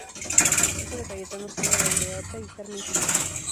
Hijo de Cayetano Silva Landaeta y Carmen Silva.